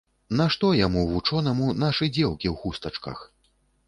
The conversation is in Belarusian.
Нашто яму, вучонаму, нашы дзеўкі ў хустачках?